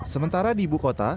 sementara di ibu kota